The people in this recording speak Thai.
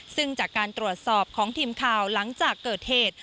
ซึ่งจากการตรวจสอบของทีมข่าวหลังจากเกิดเหตุ